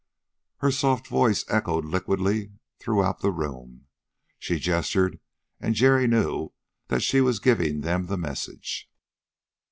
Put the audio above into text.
Her soft voice echoed liquidly throughout the room. She gestured, and Jerry knew that she was giving them the message.